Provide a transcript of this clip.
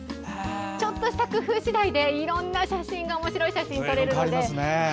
ちょっとした工夫次第でいろんなおもしろい写真が撮れるので。